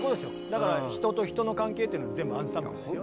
だから人と人の関係っていうのは全部アンサンブルですよね。